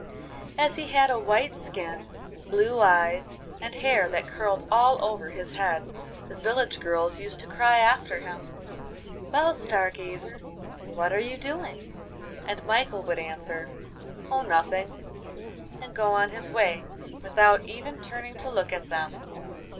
As he had a white skin, blue eyes, and hair that curled all over his head, the village girls used to cry after him, 'Well, Star Gazer, what are you doing?' and Michael would answer, 'Oh, nothing,' and go on his way without even turning to look at them.